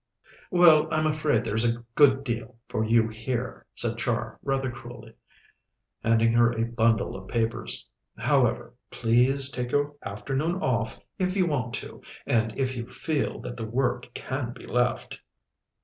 "Well, I'm afraid there's a good deal for you here," said Char rather cruelly, handing her a bundle of papers. "However, please take your afternoon off if you want to, and if you feel that the work can be left."